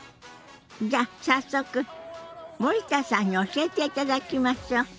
じゃあ早速森田さんに教えていただきましょう。